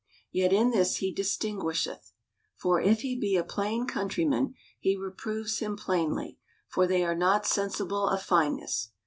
Yet in this he distinguisheth. For if he be a plain countryman, he reproves him plainly ; for they are not sensible of fineness.